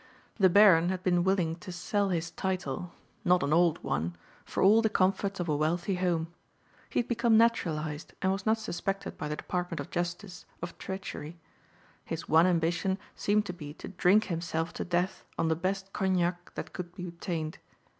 The Baron had been willing to sell his title not an old one for all the comforts of a wealthy home. He had become naturalized and was not suspected by the Department of Justice of treachery. His one ambition seemed to be to drink himself to death on the best cognac that could be obtained.